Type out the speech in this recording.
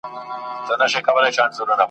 کوچۍ ښکلې به ور اخلي ..